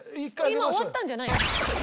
今終わったんじゃないの？